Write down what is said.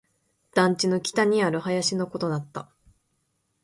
団地の北にある林のことだった